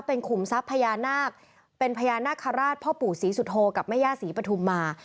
เป็นขุมทรัพย์พญานาคเป็นพญานาคาราชพ่อปู่ศรีสุโธกับแม่ย่าศรีปฐุมมา